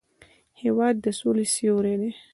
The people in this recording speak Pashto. هېواد د سولې سیوری دی.